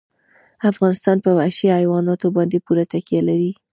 افغانستان په وحشي حیواناتو باندې پوره تکیه لري.